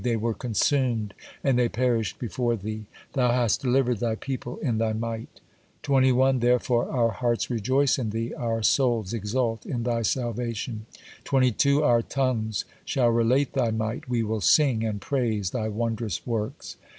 They were consumed, and they perished before Thee, Thou hast delivered Thy people in Thy might. 21. Therefore our hearts rejoice in Thee, our souls exult in Thy salvation. 22. Our tongues shall relate Thy might, we will sing and praise Thy wondrous works.